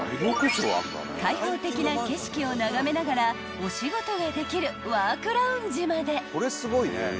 ［開放的な景色を眺めながらお仕事ができるワークラウンジまで］